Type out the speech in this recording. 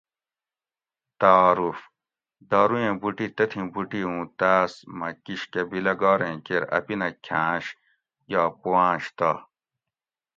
تعارف:- دارویٔں بوٹی تتھیں بوٹی اوں تاس مہ کشکہ بیلگاریں کیر اپینہ کھانش یا پوانش تہ